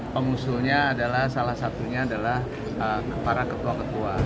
pengusulnya adalah salah satunya adalah para ketua ketua